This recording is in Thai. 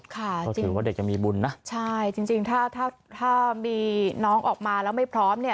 ก็ถือว่าเด็กยังมีบุญนะใช่จริงถ้าถ้ามีน้องออกมาแล้วไม่พร้อมเนี่ย